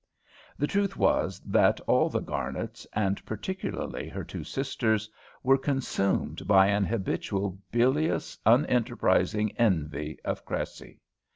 The truth was that all the Garnets, and particularly her two sisters, were consumed by an habitual, bilious, unenterprising envy of Cressy.